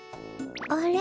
あれ？